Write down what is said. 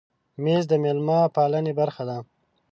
مېز د مېلمه پالنې برخه ده.